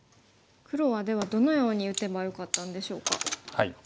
黒はではどのように打てばよかったんでしょうか。